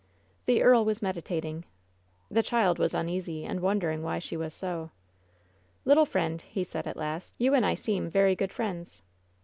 The earl was meditating. The child was uneasy, and wondering why she was so. "Little friend/* he said, at last, "you and I seem very good friends.